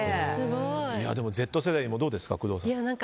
Ｚ世代にもどうですか、工藤さん。